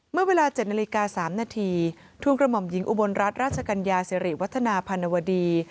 เมื่อเวลา๗นาฬิกา๓นาทีทุนกระหม่อมหญิงอุบลรัฐราชกัญญาสิริวัฒนาพันวดี